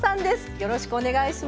よろしくお願いします。